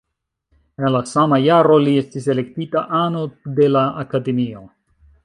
En la sama jaro li estis elektita ano de la Akademio.